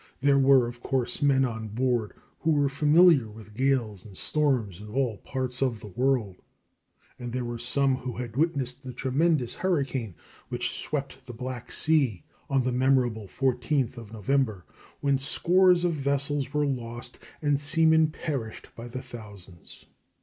There were, of course, men on board who were familiar with gales and storms in all parts of the world; and there were some who had witnessed the tremendous hurricane which swept the Black Sea on the memorable 14th of November, when scores of vessels were lost and seamen perished by the thousands.